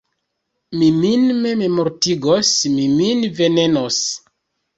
Mi min mem mortigos, mi min venenos!